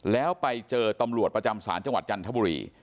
แล้วไปเจอตำรวจประจำศาลจังหวัดจันทบุรี